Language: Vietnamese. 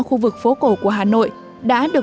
khu vực phố cổ của hà nội đã được